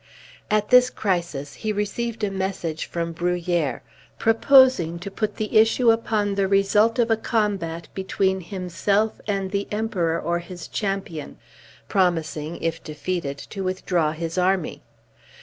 At this crisis he received a message from Bruhier, proposing to put the issue upon the result of a combat between himself and the Emperor or his champion; promising, if defeated, to withdraw his army.